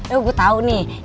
eh gua tau nih